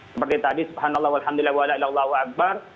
seperti tadi subhanallah walhamdulillah walailahu akbar